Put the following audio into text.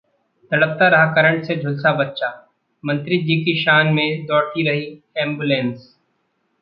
तड़पता रहा करंट से झुलसा बच्चा, मंत्री जी की शान में दौड़ती रही एंबुलेंस